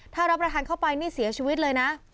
ถ้ารับประทานเข้าไปนี่เสียชีวิตเลยนะ